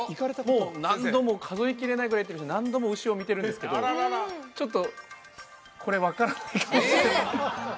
もう何度も数えきれないぐらい行ってるし何度も牛を見てるんですけどちょっとこれ分からないかもしれない